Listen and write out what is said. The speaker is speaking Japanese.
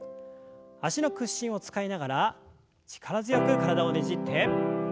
脚の屈伸を使いながら力強く体をねじって。